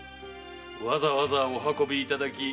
わざわざお運びいただき